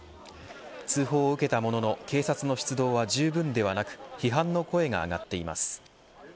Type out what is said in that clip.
通報を受けたものの警察の出動はじゅうぶんではなく批判の声が上がっています。